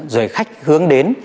rồi khách hướng đến